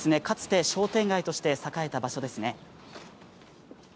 かつて商店街として栄えた場所ですね。